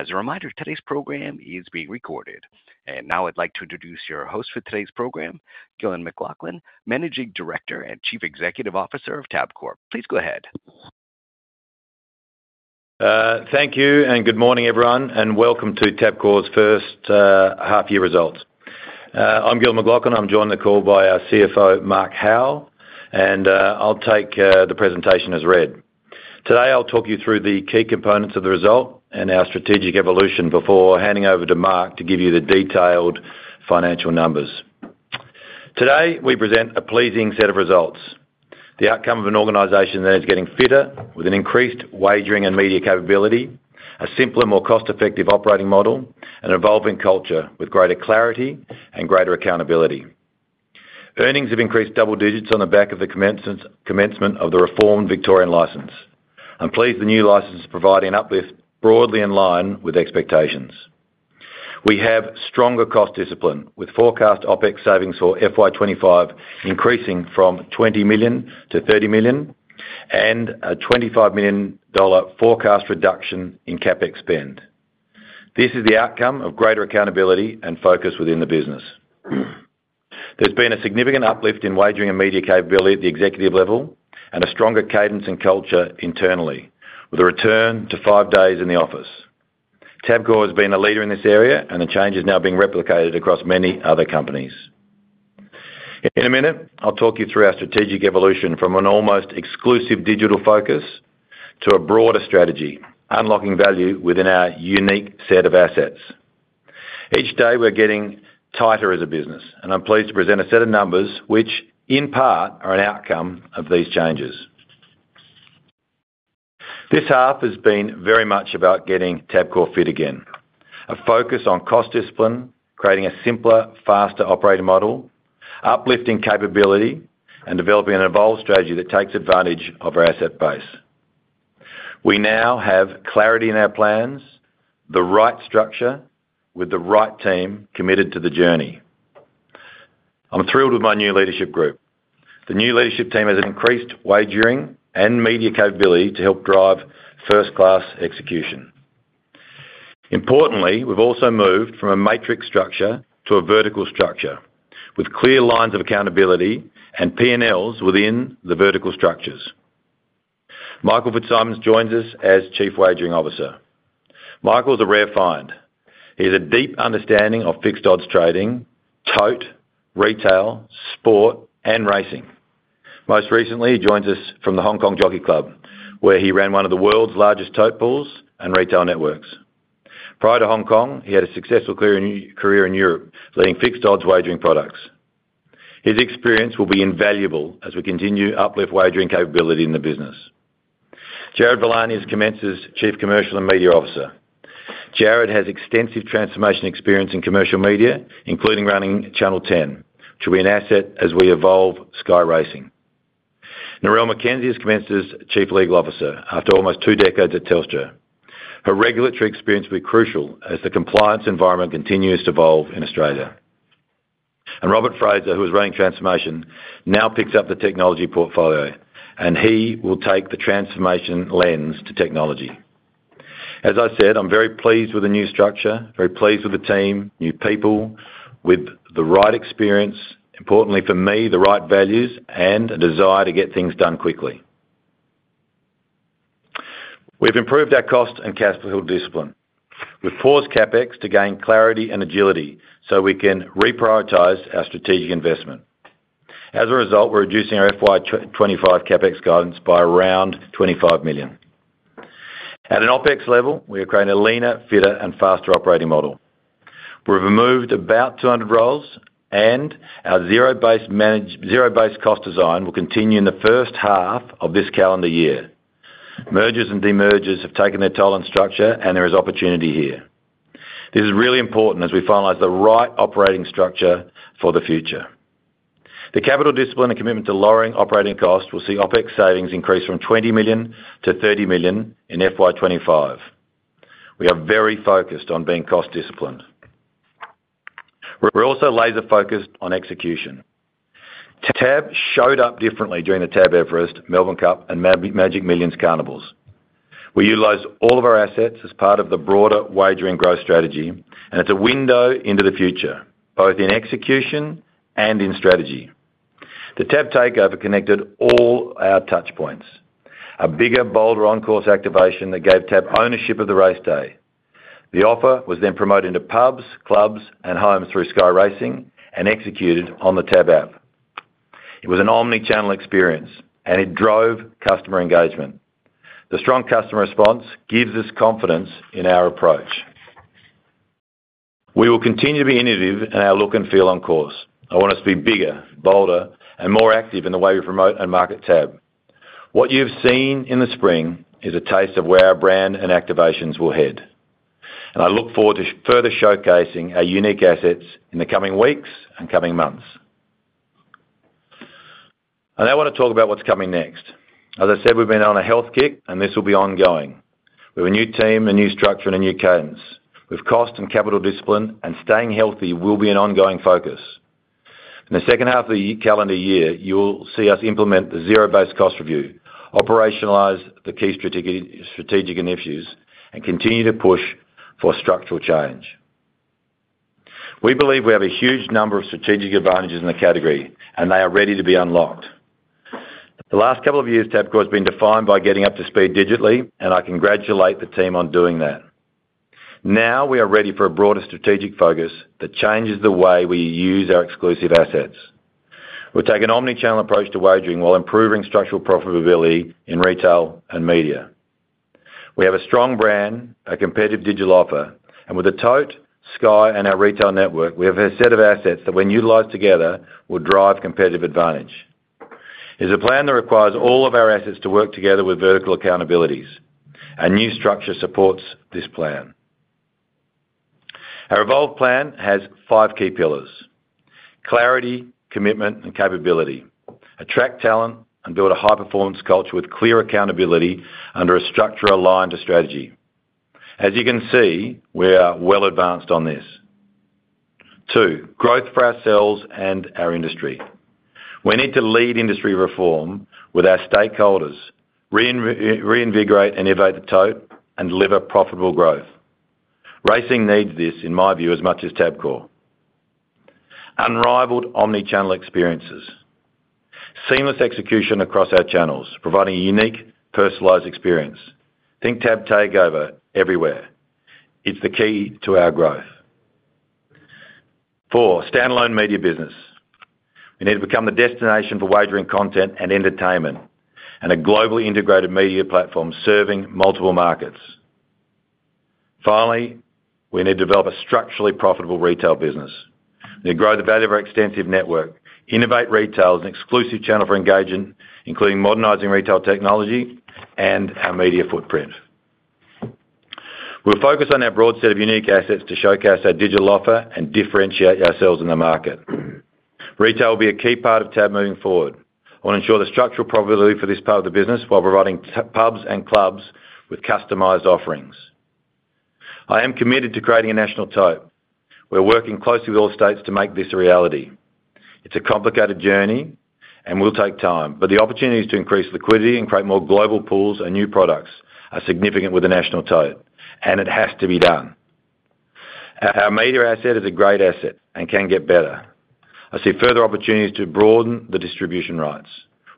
As a reminder, today's program is being recorded, and now I'd like to introduce your host for today's program, Gillon McLachlan, Managing Director and Chief Executive Officer of Tabcorp. Please go ahead. Thank you, and good morning, everyone, and welcome to Tabcorp's first half-year results. I'm Gillon McLachlan. I'm joined on the call by our CFO, Mark Howell, and I'll take the presentation as read. Today, I'll talk you through the key components of the result and our strategic evolution before handing over to Mark to give you the detailed financial numbers. Today, we present a pleasing set of results: the outcome of an organization that is getting fitter with an increased wagering and media capability, a simpler, more cost-effective operating model, and an evolving culture with greater clarity and greater accountability. Earnings have increased double digits on the back of the commencement of the reformed Victorian license. I'm pleased the new license is providing an uplift broadly in line with expectations. We have stronger cost discipline, with forecast OPEX savings for FY25 increasing from 20 million to 30 million and a 25 million dollar forecast reduction in CapEx spend. This is the outcome of greater accountability and focus within the business. There's been a significant uplift in wagering and media capability at the executive level and a stronger cadence and culture internally, with a return to five days in the office. Tabcorp has been a leader in this area, and the change is now being replicated across many other companies. In a minute, I'll talk you through our strategic evolution from an almost exclusive digital focus to a broader strategy, unlocking value within our unique set of assets. Each day, we're getting tighter as a business, and I'm pleased to present a set of numbers which, in part, are an outcome of these changes. This half has been very much about getting Tabcorp fit again: a focus on cost discipline, creating a simpler, faster operating model, uplifting capability, and developing an evolved strategy that takes advantage of our asset base. We now have clarity in our plans, the right structure, with the right team committed to the journey. I'm thrilled with my new leadership group. The new leadership team has increased wagering and media capability to help drive first-class execution. Importantly, we've also moved from a matrix structure to a vertical structure, with clear lines of accountability and P&Ls within the vertical structures. Michael Fitzsimons joins us as Chief Wagering Officer. Michael's a rare find. He has a deep understanding of fixed odds trading, tote, retail, sport, and racing. Most recently, he joins us from the Hong Kong Jockey Club, where he ran one of the world's largest tote pools and retail networks. Prior to Hong Kong, he had a successful career in Europe, leading fixed odds wagering products. His experience will be invaluable as we continue to uplift wagering capability in the business. Jarrod Villani is Tabcorp's Chief Commercial and Media Officer. Jarrod has extensive transformation experience in commercial media, including running Channel 10, which will be an asset as we evolve Sky Racing. Narelle McKenzie is Tabcorp's Chief Legal Officer after almost two decades at Telstra. Her regulatory experience will be crucial as the compliance environment continues to evolve in Australia. Robert Fraser, who is running transformation, now picks up the technology portfolio, and he will take the transformation lens to technology. As I said, I'm very pleased with the new structure, very pleased with the team, new people with the right experience, importantly for me, the right values, and a desire to get things done quickly. We've improved our cost and cash flow discipline. We've paused CapEx to gain clarity and agility so we can reprioritize our strategic investment. As a result, we're reducing our FY25 CapEx guidance by around 25 million. At an OPEX level, we are creating a leaner, fitter, and faster operating model. We've removed about 200 roles, and our zero-based cost design will continue in the first half of this calendar year. Mergers and demergers have taken their toll on structure, and there is opportunity here. This is really important as we finalize the right operating structure for the future. The capital discipline and commitment to lowering operating costs will see OPEX savings increase from 20 million to 30 million in FY25. We are very focused on being cost disciplined. We're also laser-focused on execution. Tab showed up differently during the Tab Everest, Melbourne Cup, and Magic Millions Carnivals. We utilized all of our assets as part of the broader wagering growth strategy, and it's a window into the future, both in execution and in strategy. The TAB Takeover connected all our touchpoints: a bigger, bolder on-course activation that gave TAB ownership of the race day. The offer was then promoted into pubs, clubs, and homes through Sky Racing and executed on the TAB app. It was an omnichannel experience, and it drove customer engagement. The strong customer response gives us confidence in our approach. We will continue to be innovative in our look and feel on course. I want us to be bigger, bolder, and more active in the way we promote and market TAB. What you've seen in the spring is a taste of where our brand and activations will head. I look forward to further showcasing our unique assets in the coming weeks and coming months. I now want to talk about what's coming next. As I said, we've been on a health kick, and this will be ongoing. We have a new team, a new structure, and a new cadence. With cost and capital discipline, and staying healthy, will be an ongoing focus. In the second half of the calendar year, you will see us implement the zero-based cost review, operationalize the key strategic initiatives, and continue to push for structural change. We believe we have a huge number of strategic advantages in the category, and they are ready to be unlocked. The last couple of years, Tabcorp has been defined by getting up to speed digitally, and I congratulate the team on doing that. Now, we are ready for a broader strategic focus that changes the way we use our exclusive assets. We're taking an omnichannel approach to wagering while improving structural profitability in retail and media. We have a strong brand, a competitive digital offer, and with the tote, Sky, and our retail network, we have a set of assets that, when utilized together, will drive competitive advantage. It's a plan that requires all of our assets to work together with vertical accountabilities. Our new structure supports this plan. Our evolved plan has five key pillars: clarity, commitment, and capability. Attract talent and build a high-performance culture with clear accountability under a structure aligned to strategy. As you can see, we are well advanced on this. Two, growth for ourselves and our industry. We need to lead industry reform with our stakeholders, reinvigorate and innovate the tote, and deliver profitable growth. Racing needs this, in my view, as much as Tabcorp. Unrivaled omnichannel experiences. Seamless execution across our channels, providing a unique, personalized experience. Think TAB Takeover everywhere. It's the key to our growth. Four, standalone media business. We need to become the destination for wagering content and entertainment, and a globally integrated media platform serving multiple markets. Finally, we need to develop a structurally profitable retail business. We need to grow the value of our extensive network, innovate retail as an exclusive channel for engagement, including modernizing retail technology and our media footprint. We'll focus on our broad set of unique assets to showcase our digital offer and differentiate ourselves in the market. Retail will be a key part of TAB moving forward. I want to ensure the structural profitability for this part of the business while providing pubs and clubs with customized offerings. I am committed to creating a national tote. We're working closely with all states to make this a reality. It's a complicated journey, and will take time. But the opportunities to increase liquidity and create more global pools and new products are significant with the national tote, and it has to be done. Our media asset is a great asset and can get better. I see further opportunities to broaden the distribution rights.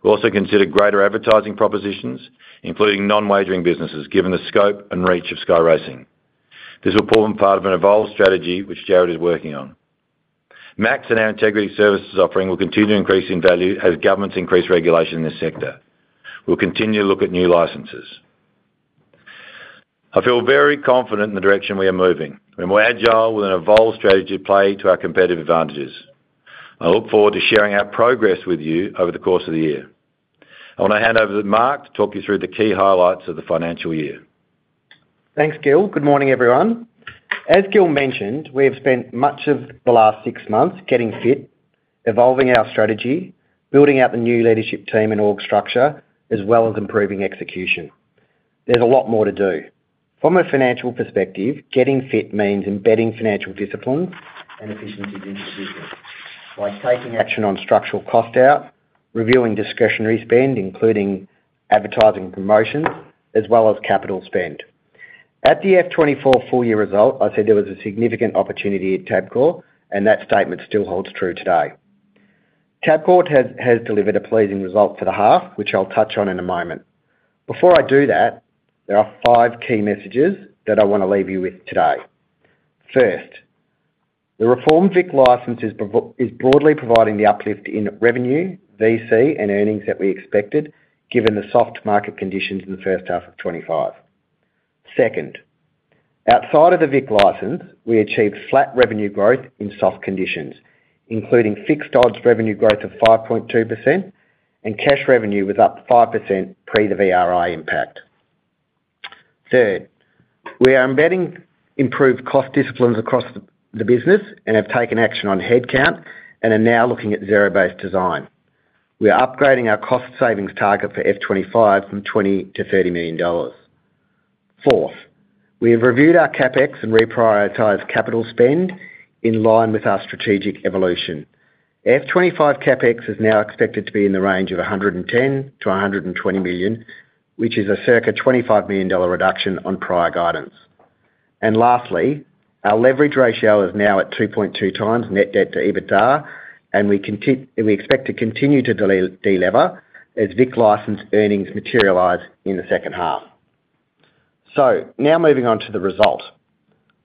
We'll also consider greater advertising propositions, including non-wagering businesses, given the scope and reach of Sky Racing. This will form part of an evolved strategy which Jarrod is working on. Max and our integrity services offering will continue to increase in value as governments increase regulation in this sector. We'll continue to look at new licenses. I feel very confident in the direction we are moving. We're more agile with an evolved strategy to play to our competitive advantages. I look forward to sharing our progress with you over the course of the year. I want to hand over to Mark to talk you through the key highlights of the financial year. Thanks, Gill. Good morning, everyone. As Gill mentioned, we have spent much of the last six months getting fit, evolving our strategy, building out the new leadership team and org structure, as well as improving execution. There's a lot more to do. From a financial perspective, getting fit means embedding financial discipline and efficiencies into business, like taking action on structural cost out, reviewing discretionary spend, including advertising and promotions, as well as capital spend. At the FY24 full-year result, I said there was a significant opportunity at Tabcorp, and that statement still holds true today. Tabcorp has delivered a pleasing result for the half, which I'll touch on in a moment. Before I do that, there are five key messages that I want to leave you with today. First, the reformed VIC license is broadly providing the uplift in revenue, VC, and earnings that we expected, given the soft market conditions in the first half of 2025. Second, outside of the VIC license, we achieved flat revenue growth in soft conditions, including fixed odds revenue growth of 5.2% and cash revenue with up to 5% pre the VRI impact. Third, we are embedding improved cost disciplines across the business and have taken action on headcount and are now looking at zero-based design. We are upgrading our cost savings target for FY25 from 20 million to 30 million dollars. Fourth, we have reviewed our CapEx and reprioritized capital spend in line with our strategic evolution. FY25 CapEx is now expected to be in the range of 110 million to 120 million, which is a circa 25 million dollar reduction on prior guidance. And lastly, our leverage ratio is now at 2.2 times net debt to EBITDA, and we expect to continue to delever as VIC license earnings materialize in the second half. So now moving on to the result.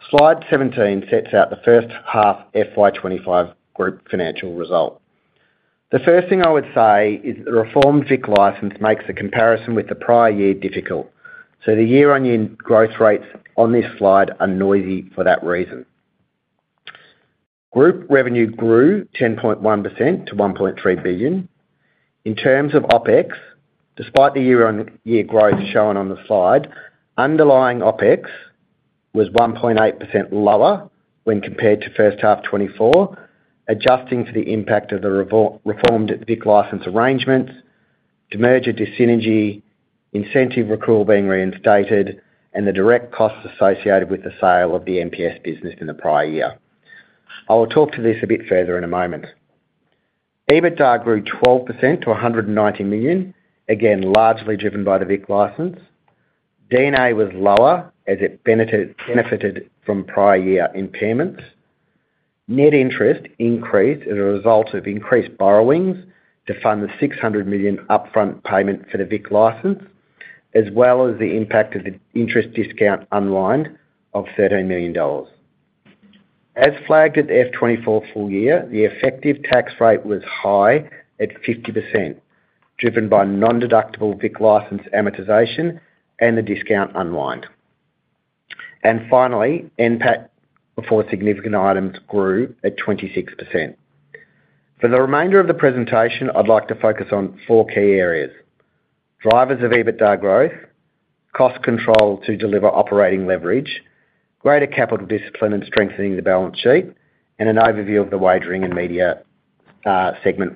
Slide 17 sets out the first half FY25 group financial result. The first thing I would say is the reformed VIC license makes a comparison with the prior year difficult. So the year-on-year growth rates on this slide are noisy for that reason. Group revenue grew 10.1% to 1.3 billion. In terms of OPEX, despite the year-on-year growth shown on the slide, underlying OPEX was 1.8% lower when compared to first half 2024, adjusting to the impact of the reformed VIC license arrangements, demerger dyssynergy, incentive recruit being reinstated, and the direct costs associated with the sale of the MPS business in the prior year. I will talk to this a bit further in a moment. EBITDA grew 12% to 190 million, again largely driven by the VIC license. D&A was lower as it benefited from prior year impairments. Net interest increased as a result of increased borrowings to fund the 600 million upfront payment for the VIC license, as well as the impact of the interest discount unwind of 13 million dollars. As flagged at the FY24 full year, the effective tax rate was high at 50%, driven by non-deductible VIC license amortization and the discount unwind. And finally, NPAT for significant items grew 26%. For the remainder of the presentation, I'd like to focus on four key areas: drivers of EBITDA growth, cost control to deliver operating leverage, greater capital discipline and strengthening the balance sheet, and an overview of the wagering and media segment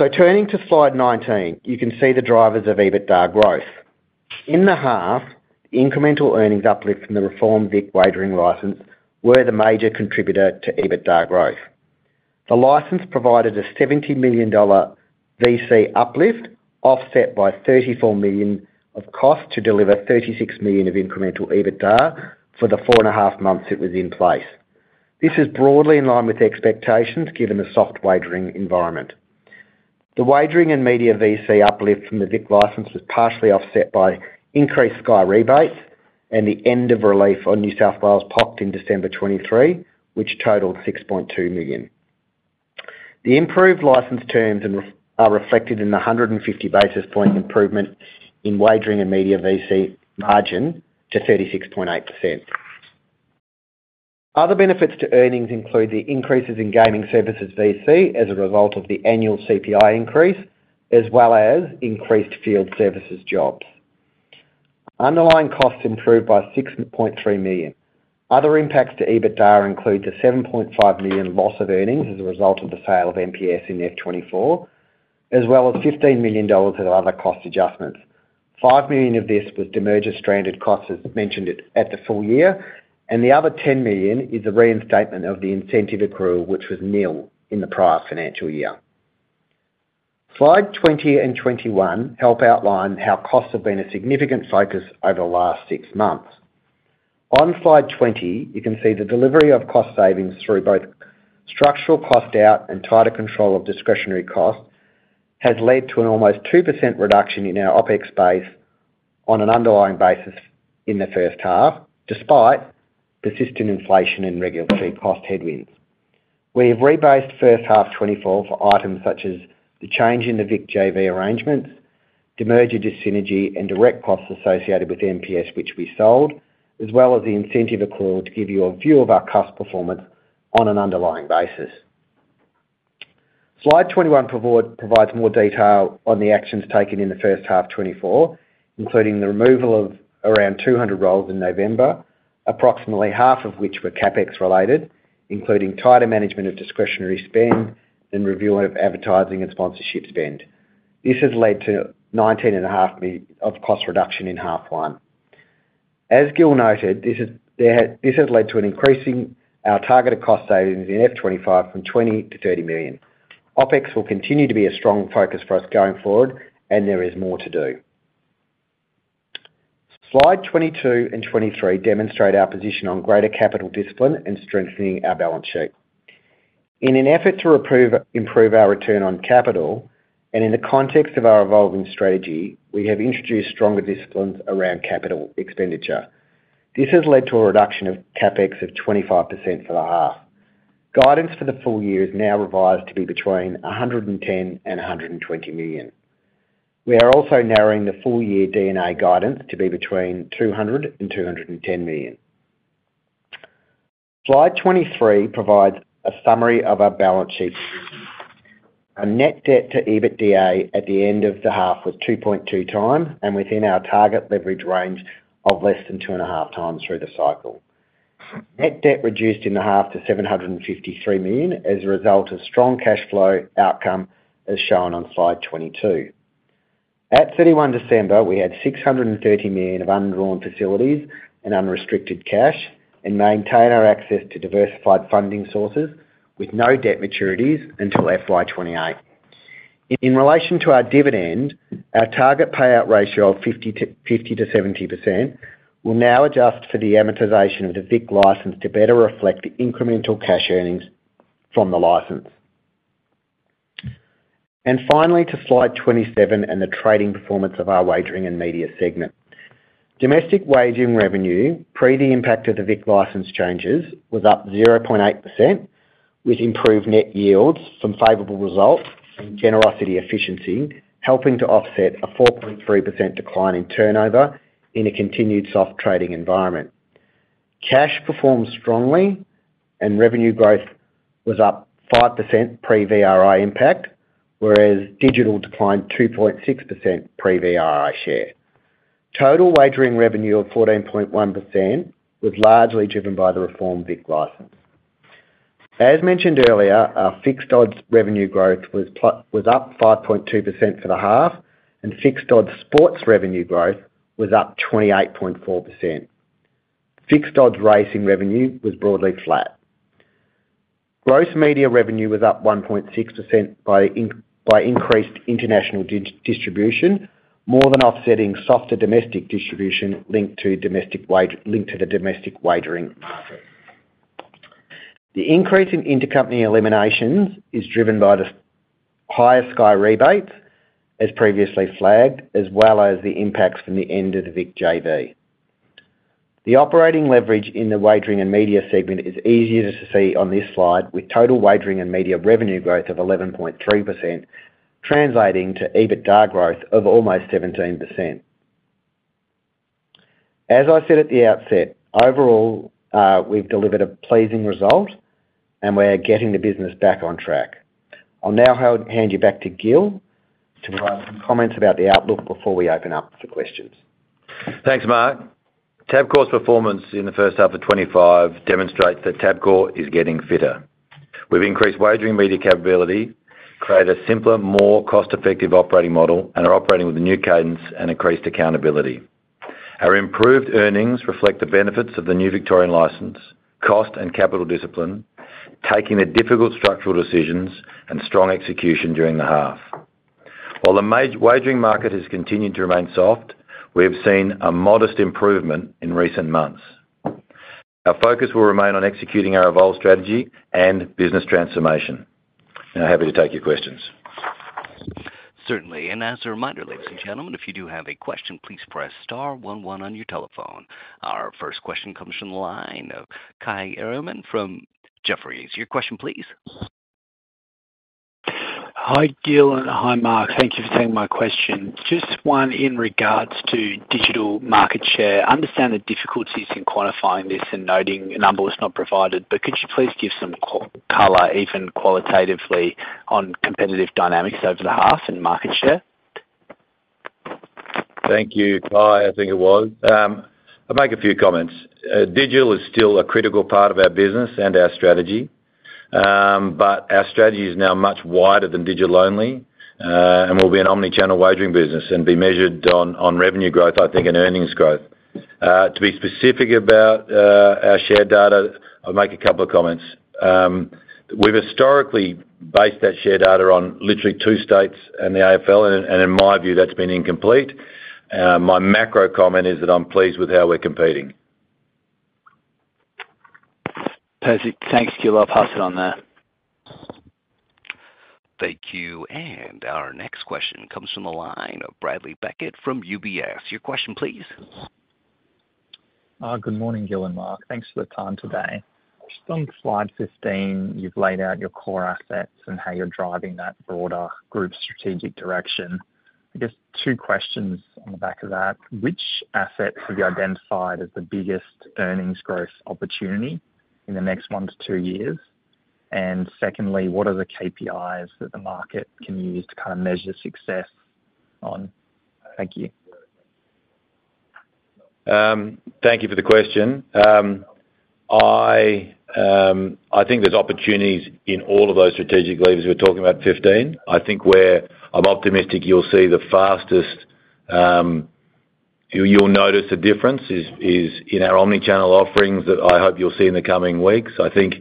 result. Turning to slide 19, you can see the drivers of EBITDA growth. In the half, incremental earnings uplift from the reformed VIC wagering license were the major contributor to EBITDA growth. The license provided a 70 million dollar VC uplift, offset by 34 million of cost to deliver 36 million of incremental EBITDA for the four and a half months it was in place. This is broadly in line with expectations given the soft wagering environment. The wagering and media VC uplift from the VIC license was partially offset by increased Sky rebates and the end of relief on New South Wales POCT in December 2023, which totaled 6.2 million. The improved license terms are reflected in the 150 basis point improvement in wagering and media VC margin to 36.8%. Other benefits to earnings include the increases in gaming services VC as a result of the annual CPI increase, as well as increased field services jobs. Underlying costs improved by 6.3 million. Other impacts to EBITDA include the 7.5 million loss of earnings as a result of the sale of MPS in F24, as well as 15 million dollars of other cost adjustments. 5 million of this was demerger stranded costs, as mentioned at the full year, and the other 10 million is the reinstatement of the incentive accrual, which was nil in the prior financial year. Slide 20 and 21 help outline how costs have been a significant focus over the last six months. On slide 20, you can see the delivery of cost savings through both structural cost out and tighter control of discretionary costs has led to an almost 2% reduction in our OPEX base on an underlying basis in the first half, despite persistent inflation and regulatory cost headwinds. We have rebased first half 2024 for items such as the change in the VIC JV arrangements, demerger disinergy, and direct costs associated with MPS, which we sold, as well as the incentive accrual to give you a view of our cost performance on an underlying basis. Slide 21 provides more detail on the actions taken in the first half 2024, including the removal of around 200 roles in November, approximately half of which were CapEx related, including tighter management of discretionary spend and review of advertising and sponsorship spend. This has led to 19.5 million of cost reduction in half one. As Gillon noted, this has led to an increase in our targeted cost savings in F25 from 20 to 30 million. OPEX will continue to be a strong focus for us going forward, and there is more to do. Slide 22 and 23 demonstrate our position on greater capital discipline and strengthening our balance sheet. In an effort to improve our return on capital, and in the context of our evolving strategy, we have introduced stronger disciplines around capital expenditure. This has led to a reduction of CapEx of 25% for the half. Guidance for the full year is now revised to be between 110 and 120 million. We are also narrowing the full-year D&A guidance to be between 200 and 210 million. Slide 23 provides a summary of our balance sheet position. Our net debt to EBITDA at the end of the half was 2.2 times, and within our target leverage range of less than two and a half times through the cycle. Net debt reduced in the half to 753 million as a result of strong cash flow outcome, as shown on slide 22. At 31 December, we had 630 million of undrawn facilities and unrestricted cash and maintain our access to diversified funding sources with no debt maturities until FY28. In relation to our dividend, our target payout ratio of 50%-70% will now adjust for the amortization of the VIC license to better reflect the incremental cash earnings from the license, and finally to slide 27 and the trading performance of our Wagering and Media segment. Domestic wagering revenue, pre the impact of the VIC license changes, was up 0.8%, with improved net yields from favorable results and gross margin efficiency helping to offset a 4.3% decline in turnover in a continued soft trading environment. Cash performed strongly, and revenue growth was up 5% pre VRI impact, whereas digital declined 2.6% pre VRI share. Total wagering revenue of 14.1% was largely driven by the reformed VIC license. As mentioned earlier, our fixed odds revenue growth was up 5.2% for the half, and fixed odds sports revenue growth was up 28.4%. Fixed odds racing revenue was broadly flat. Gross media revenue was up 1.6% by increased international distribution, more than offsetting softer domestic distribution linked to the domestic wagering market. The increase in intercompany eliminations is driven by the higher Sky rebates, as previously flagged, as well as the impacts from the end of the VIC JV. The operating leverage in the wagering and media segment is easier to see on this slide, with total wagering and media revenue growth of 11.3%, translating to EBITDA growth of almost 17%. As I said at the outset, overall, we've delivered a pleasing result, and we're getting the business back on track. I'll now hand you back to Gillon to provide some comments about the outlook before we open up for questions. Thanks, Mark. Tabcorp's performance in the first half of 2025 demonstrates that Tabcorp is getting fitter. We've increased wagering media capability, created a simpler, more cost-effective operating model, and are operating with a new cadence and increased accountability. Our improved earnings reflect the benefits of the new Victorian license, cost and capital discipline, taking the difficult structural decisions and strong execution during the half. While the wagering market has continued to remain soft, we have seen a modest improvement in recent months. Our focus will remain on executing our evolved strategy and business transformation. Now, happy to take your questions. Certainly. As a reminder, ladies and gentlemen, if you do have a question, please press star 11 on your telephone. Our first question comes from the line of Kai Erman from Jefferies. Your question, please. Hi, Gillon, and hi, Mark. Thank you for taking my question. Just one in regards to digital market share. I understand the difficulties in quantifying this and noting a number was not provided, but could you please give some color, even qualitatively, on competitive dynamics over the half and market share? Thank you, Kai. I think it was. I'll make a few comments. Digital is still a critical part of our business and our strategy, but our strategy is now much wider than digital only and will be an omnichannel wagering business and be measured on revenue growth, I think, and earnings growth. To be specific about our shared data, I'll make a couple of comments. We've historically based that shared data on literally two states and the AFL, and in my view, that's been incomplete. My macro comment is that I'm pleased with how we're competing. Perfect. Thanks, Gill. I'll pass it on there. Thank you. And our next question comes from the line of Bradley Beckett from UBS. Your question, please. Good morning, Gillon and Mark. Thanks for the time today. Just on slide 15, you've laid out your core assets and how you're driving that broader group strategic direction. I guess two questions on the back of that. Which assets have you identified as the biggest earnings growth opportunity in the next one to two years? And secondly, what are the KPIs that the market can use to kind of measure success on? Thank you. Thank you for the question. I think there's opportunities in all of those strategic levers we're talking about at 15. I think where I'm optimistic you'll see the fastest you'll notice the difference is in our omnichannel offerings that I hope you'll see in the coming weeks. I think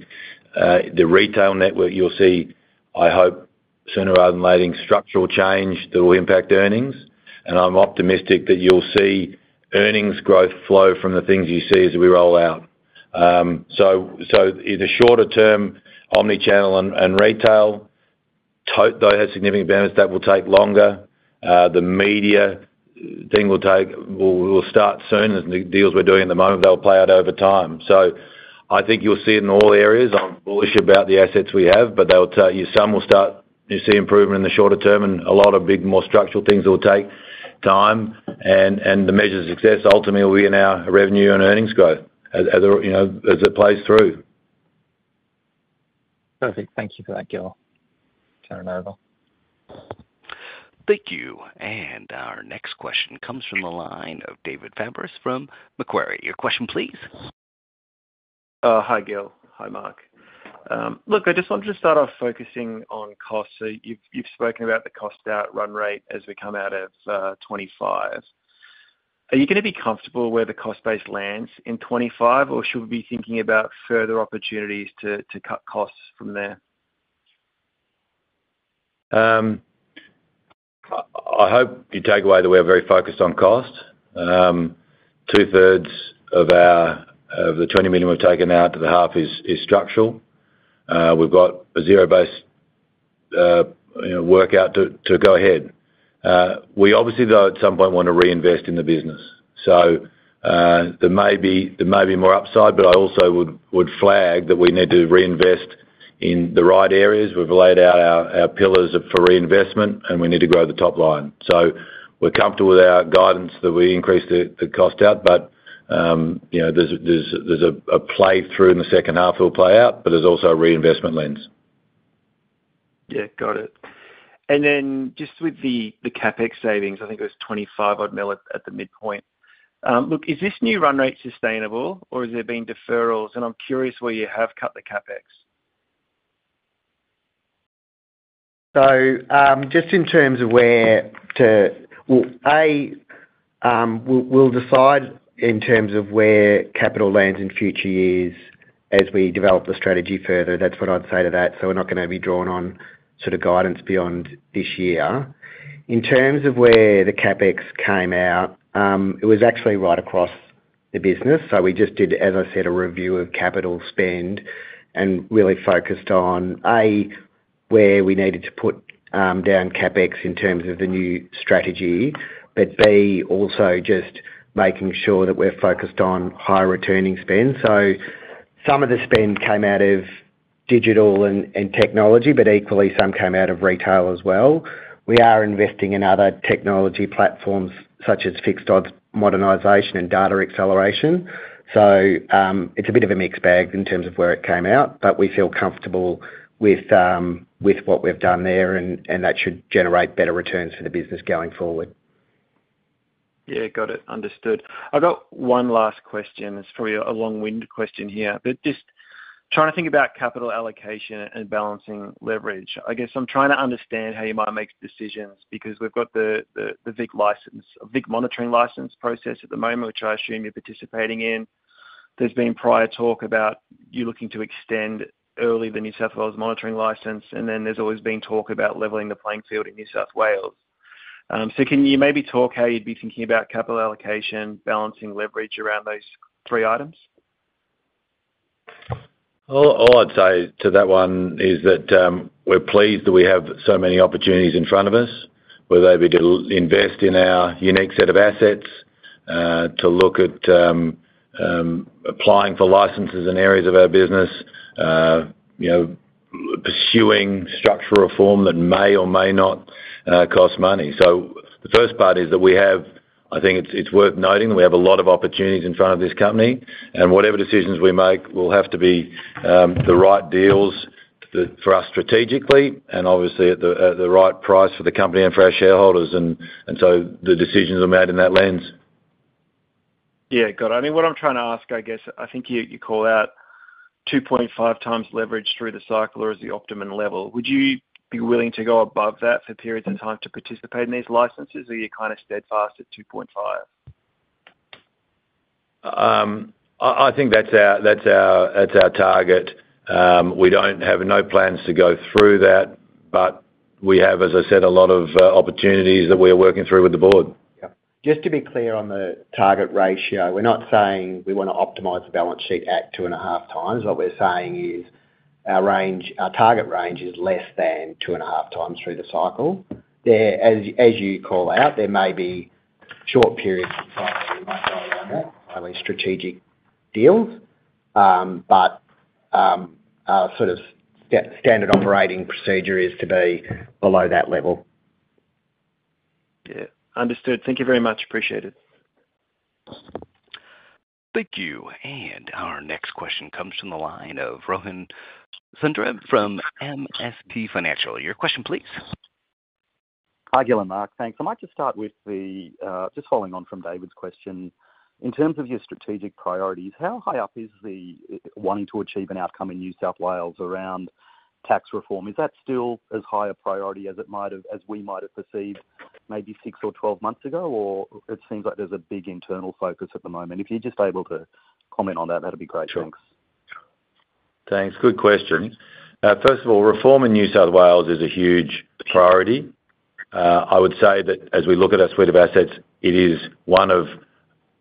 the retail network you'll see, I hope, sooner rather than later, structural change that will impact earnings, and I'm optimistic that you'll see earnings growth flow from the things you see as we roll out, so in the shorter term, omnichannel and retail, tote those significant benefits. That will take longer. The media thing will start soon. The deals we're doing at the moment, they'll play out over time, so I think you'll see it in all areas. I'm bullish about the assets we have, but some will start to see improvement in the shorter term, and a lot of big, more structural things that will take time. And the measure of success ultimately will be in our revenue and earnings growth as it plays through. Perfect. Thank you for that, Gill. Turn it over. Thank you. And our next question comes from the line of David Fabris from Macquarie. Your question, please. Hi, Gillon. Hi, Mark. Look, I just wanted to start off focusing on costs. So you've spoken about the cost out run rate as we come out of 2025. Are you going to be comfortable where the cost base lands in 2025, or should we be thinking about further opportunities to cut costs from there? I hope you take away that we are very focused on cost. Two-thirds of the 20 million we've taken out to the half is structural. We've got a zero-based workout to go ahead. We obviously, though, at some point, want to reinvest in the business. So there may be more upside, but I also would flag that we need to reinvest in the right areas. We've laid out our pillars for reinvestment, and we need to grow the top line. So we're comfortable with our guidance that we increase the cost out, but there's a flow-through in the second half that will play out, but there's also a reinvestment lens. Yeah, got it. And then just with the CapEx savings, I think it was 25 at the midpoint. Look, is this new run rate sustainable, or has there been deferrals? And I'm curious where you have cut the CapEx. So just in terms of where to, well, A, we'll decide in terms of where capital lands in future years as we develop the strategy further. That's what I'd say to that. So we're not going to be drawn on sort of guidance beyond this year. In terms of where the CapEx came out, it was actually right across the business. So we just did, as I said, a review of capital spend and really focused on, A, where we needed to put down CapEx in terms of the new strategy, but B, also just making sure that we're focused on higher returning spend. So some of the spend came out of digital and technology, but equally, some came out of retail as well. We are investing in other technology platforms such as Fixed Odds modernization and data acceleration. So it's a bit of a mixed bag in terms of where it came out, but we feel comfortable with what we've done there, and that should generate better returns for the business going forward. Yeah, got it. Understood. I've got one last question. It's probably a long-winded question here, but just trying to think about capital allocation and balancing leverage. I guess I'm trying to understand how you might make decisions because we've got the VIC monitoring license process at the moment, which I assume you're participating in. There's been prior talk about you looking to extend early the New South Wales monitoring license, and then there's always been talk about leveling the playing field in New South Wales. So can you maybe talk how you'd be thinking about capital allocation, balancing leverage around those three items? All I'd say to that one is that we're pleased that we have so many opportunities in front of us, whether they be to invest in our unique set of assets, to look at applying for licenses in areas of our business, pursuing structural reform that may or may not cost money. So the first part is that we have, I think it's worth noting, that we have a lot of opportunities in front of this company. And whatever decisions we make, will have to be the right deals for us strategically and obviously at the right price for the company and for our shareholders. And so the decisions are made in that lens. Yeah, got it. I mean, what I'm trying to ask, I guess, I think you call out 2.5 times leverage through the cycle or as the optimum level. Would you be willing to go above that for periods of time to participate in these licenses, or are you kind of steadfast at 2.5? I think that's our target. We have no plans to go through that, but we have, as I said, a lot of opportunities that we are working through with the board. Yeah. Just to be clear on the target ratio, we're not saying we want to optimize the balance sheet at two and a half times. What we're saying is our target range is less than two and a half times through the cycle. As you call out, there may be short periods of time where we might go around that, only strategic deals, but our sort of standard operating procedure is to be below that level. Yeah. Understood. Thank you very much. Appreciate it. Thank you. And our next question comes from the line of Rohan Sundram from MST Financial. Your question, please. Hi, Gill and Mark. Thanks. I might just start with just following on from David's question. In terms of your strategic priorities, how high up is the wanting to achieve an outcome in New South Wales around tax reform? Is that still as high a priority as we might have perceived maybe six or 12 months ago, or it seems like there's a big internal focus at the moment? If you're just able to comment on that, that'd be great. Thanks. Thanks. Good question. First of all, reform in New South Wales is a huge priority. I would say that as we look at our suite of assets, it is one of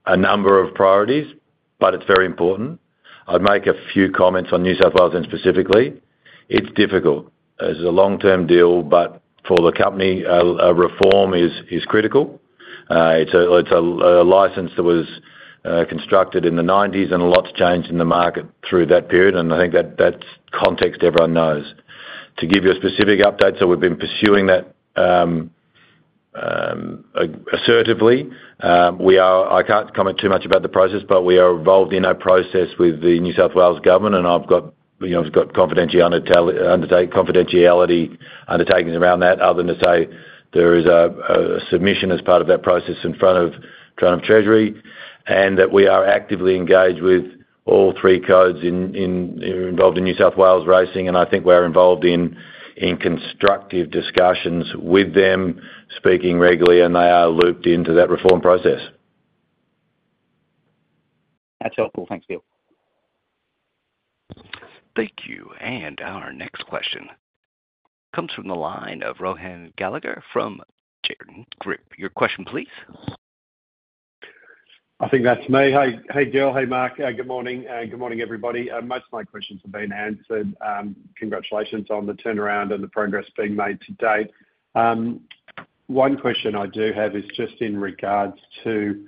a number of priorities, but it's very important. I'd make a few comments on New South Wales specifically. It's difficult. It's a long-term deal, but for the company, reform is critical. It's a license that was constructed in the 1990s, and a lot's changed in the market through that period, and I think that context everyone knows. To give you a specific update, so we've been pursuing that assertively. I can't comment too much about the process, but we are involved in a process with the New South Wales government, and I've got confidentiality undertakings around that, other than to say there is a submission as part of that process in front of Treasury and that we are actively engaged with all three codes involved in New South Wales racing, and I think we're involved in constructive discussions with them, speaking regularly, and they are looped into that reform process. That's helpful. Thanks, Gill. Thank you. And our next question comes from the line of Rohan Gallagher from Jarden. Your question, please. I think that's me. Hey, Gill. Hey, Mark. Good morning. Good morning, everybody. Most of my questions have been answered. Congratulations on the turnaround and the progress being made to date. One question I do have is just in regards to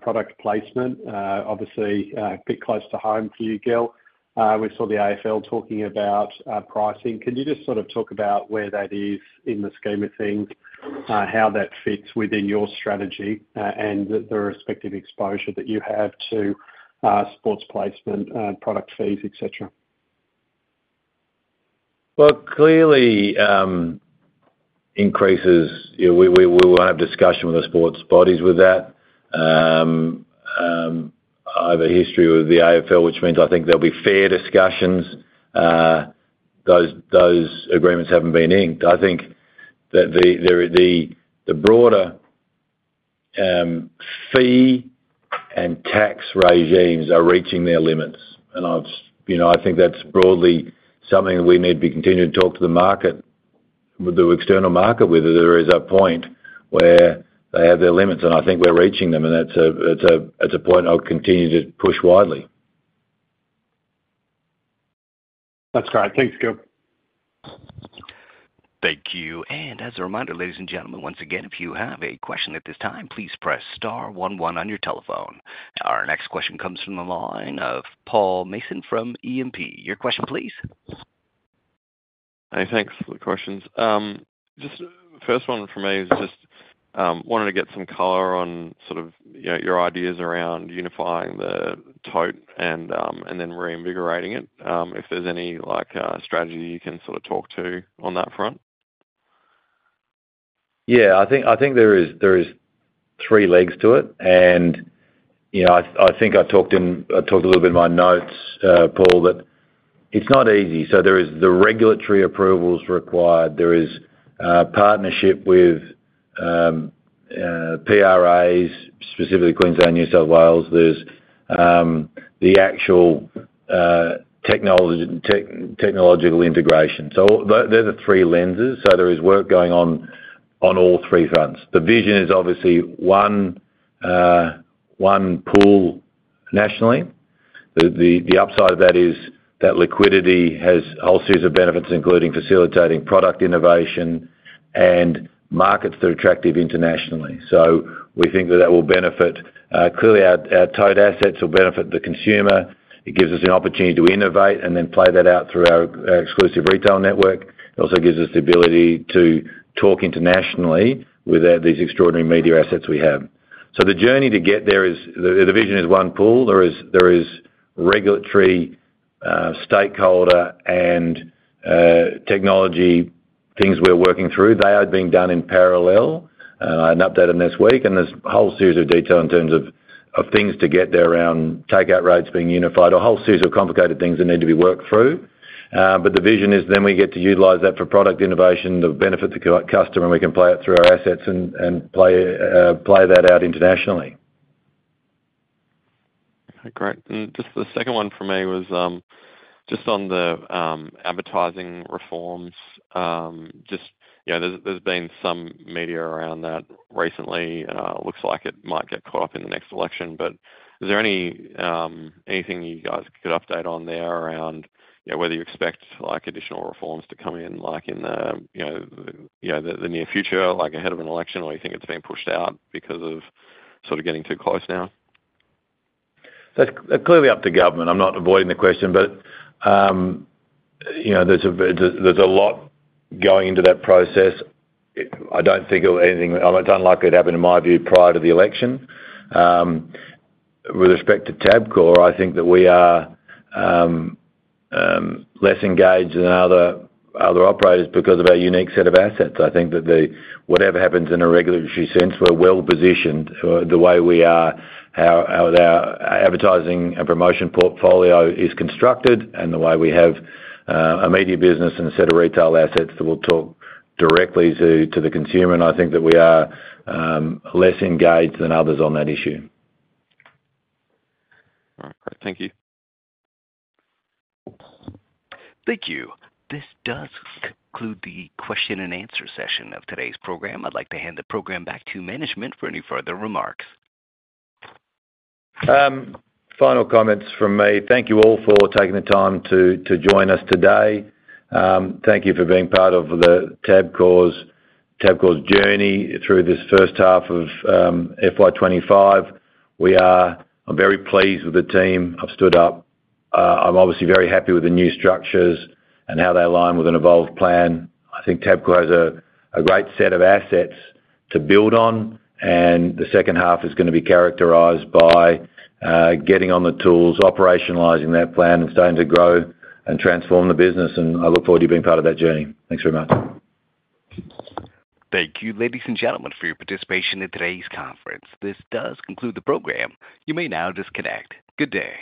product placement. Obviously, a bit close to home for you, Gill. We saw the AFL talking about pricing. Can you just sort of talk about where that is in the scheme of things, how that fits within your strategy, and the respective exposure that you have to sports placement, product fees, etc.? Well, clearly, increases. We will have discussion with the sports bodies with that. I have a history with the AFL, which means I think there'll be fair discussions. Those agreements haven't been inked. I think that the broader fee and tax regimes are reaching their limits. And I think that's broadly something that we need to be continuing to talk to the market, the external market, whether there is a point where they have their limits. And I think we're reaching them, and that's a point I'll continue to push widely. That's great. Thanks, Gill. Thank you. And as a reminder, ladies and gentlemen, once again, if you have a question at this time, please press star 11 on your telephone. Our next question comes from the line of Paul Mason from E&P. Your question, please. Hey, thanks for the questions. Just the first one for me is just wanted to get some color on sort of your ideas around unifying the tote and then reinvigorating it. If there's any strategy you can sort of talk to on that front? Yeah. I think there is three legs to it. And I think I talked a little bit in my notes, Paul, that it's not easy. So there is the regulatory approvals required. There is partnership with PRAs, specifically Queensland and New South Wales. There's the actual technological integration. So they're the three lenses. So there is work going on on all three fronts. The vision is obviously one pool nationally. The upside of that is that liquidity has a whole series of benefits, including facilitating product innovation and markets that are attractive internationally. So we think that that will benefit clearly. Our tote assets will benefit the consumer. It gives us an opportunity to innovate and then play that out through our exclusive retail network. It also gives us the ability to talk internationally with these extraordinary media assets we have. So the journey to get there is. The vision is one pool. There is regulatory, stakeholder, and technology things we're working through. They are being done in parallel. I had an update on this week, and there's a whole series of details in terms of things to get there around takeout rates being unified, a whole series of complicated things that need to be worked through. But the vision is then we get to utilize that for product innovation to benefit the customer, and we can play it through our assets and play that out internationally. Okay. Great. And just the second one for me was just on the advertising reforms. Just, there's been some media around that recently. Looks like it might get caught up in the next election. But is there anything you guys could update on there around whether you expect additional reforms to come in in the near future, like ahead of an election, or you think it's being pushed out because of sort of getting too close now? That's clearly up to government. I'm not avoiding the question, but there's a lot going into that process. I don't think it'll be anything. It's unlikely to happen, in my view, prior to the election. With respect to Tabcorp, I think that we are less engaged than other operators because of our unique set of assets. I think that whatever happens in a regulatory sense, we're well positioned the way we are. Our advertising and promotion portfolio is constructed and the way we have a media business and a set of retail assets that will talk directly to the consumer, and I think that we are less engaged than others on that issue. All right. Great. Thank you. Thank you. This does conclude the question and answer session of today's program. I'd like to hand the program back to management for any further remarks. Final comments from me. Thank you all for taking the time to join us today. Thank you for being part of the Tabcorp's journey through this first half of FY25. I'm very pleased with the team. I've stood up. I'm obviously very happy with the new structures and how they align with an evolved plan. I think Tabcorp has a great set of assets to build on, and the second half is going to be characterized by getting on the tools, operationalizing that plan, and starting to grow and transform the business, and I look forward to you being part of that journey. Thanks very much. Thank you, ladies and gentlemen, for your participation in today's conference. This does conclude the program. You may now disconnect. Good day.